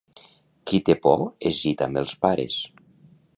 Qui té por es gita amb els pares.